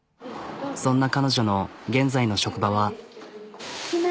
そんな彼女の現在の職場は。